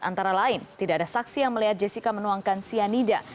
antara lain tidak ada saksi yang melihat jessica menuangkan cyanida